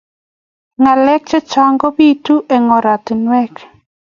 Ng'aleek chechang' kobitu eng oratinweek.